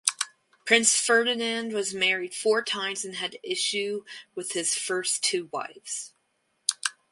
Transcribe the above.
Prince Ferdinand was married four times and had issue with his first two wives.